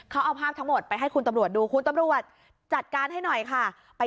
เขาเอาภาพทั้งหมดไปให้คุณตำรวจดูคุณตำรวจจัดการให้หน่อยค่ะ